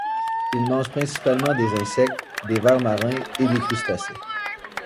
Il mange principalement des insectes, des vers marins et des crustacés.